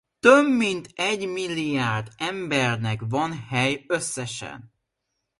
Több mint egy milliárd embernek van hely összesen.